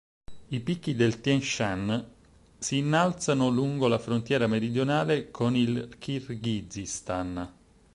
I picchi del Tien Shan si innalzano lungo la frontiera meridionale con il Kirghizistan.